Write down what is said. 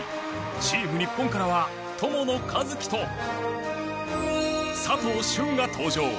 チーム日本からは友野一希と佐藤駿が登場